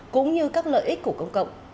cũng như các lợi ích của công cộng